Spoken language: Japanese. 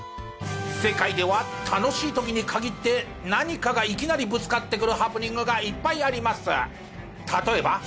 世界では楽しい時に限って何かがいきなりぶつかってくるハプニングがいっぱいあります。